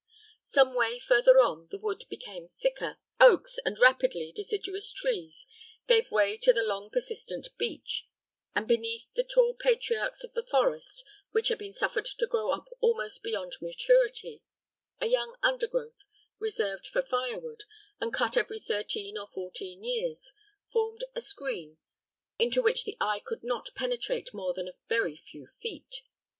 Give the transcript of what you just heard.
Some way further on, the wood became thicker, oaks and rapidly deciduous trees gave way to the long persistent beech; and beneath the tall patriarchs of the forest, which had been suffered to grow up almost beyond maturity, a young undergrowth, reserved for firewood, and cut every thirteen or fourteen years, formed a screen into which the eye could not penetrate more than a very few feet.